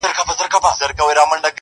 ژوند له پوښتنو ډک پاتې کيږي,